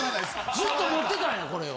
ずっと持ってたんやこれを。